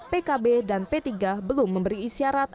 pkb dan p tiga belum memberi isyarat